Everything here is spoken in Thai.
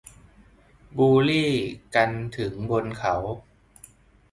บุลลี่กันถึงบนเขา